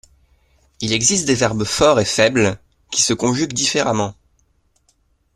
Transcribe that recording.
Il existe des verbes forts et faibles, qui se conjuguent différemment.